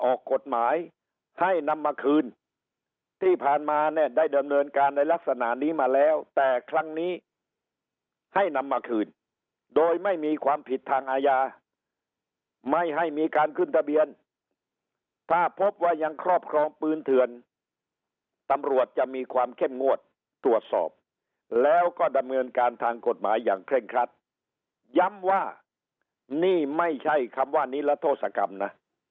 ออกกฎหมายให้นำมาคืนที่ผ่านมาเนี่ยได้ดำเนินการในลักษณะนี้มาแล้วแต่ครั้งนี้ให้นำมาคืนโดยไม่มีความผิดทางอาญาไม่ให้มีการขึ้นทะเบียนถ้าพบว่ายังครอบครองปืนเถื่อนตำรวจจะมีความเข้มงวดตรวจสอบแล้วก็ดำเนินการทางกฎหมายอย่างเคร่งครัดย้ำว่านี่ไม่ใช่คำว่านิรโทษกรรมนะ